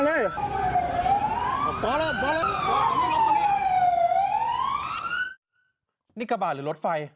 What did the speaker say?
นี่กระบาดหรือรถไฟ